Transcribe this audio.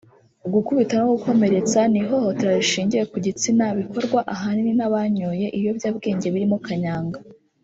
gukubita no gukomeretsa n’ihohotera rishingiye ku gitsina bikorwa ahanini n’abanyoye ibiyobyabwenge birimo Kanyanga